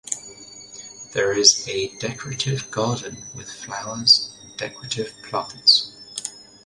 There is a decorative garden with flowers and decorative plants.